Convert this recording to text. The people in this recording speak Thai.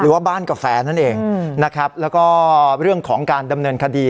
ว่าบ้านกาแฟนั่นเองนะครับแล้วก็เรื่องของการดำเนินคดี